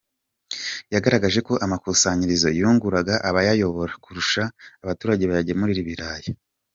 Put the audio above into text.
Yagaragaje ko amakusanyirizo yunguraga abayayobora kurusha abaturage bayagemurira ibirayi.